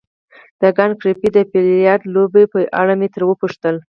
د کانت ګریفي د بیلیارډ لوبې په اړه مې ترې وپوښتل.